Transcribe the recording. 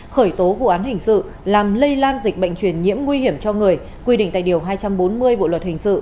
khởi tố vụ án hình sự làm lây lan dịch bệnh truyền nhiễm nguy hiểm cho người quy định tại điều hai trăm bốn mươi bộ luật hình sự